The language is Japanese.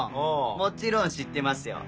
もちろん知ってますよ。